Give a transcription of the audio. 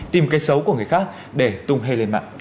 tìm cái xấu của người khác để tung hê lên mạng